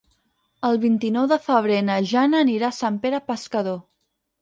El vint-i-nou de febrer na Jana anirà a Sant Pere Pescador.